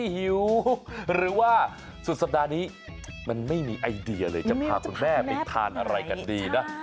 หิวหรือว่าสุดสัปดาห์นี้มันไม่มีไอเดียเลยจะพาคุณแม่ไปทานอะไรกันดีนะ